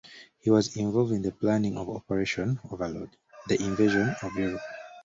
He was involved in the planning of "Operation Overlord", the invasion of Europe.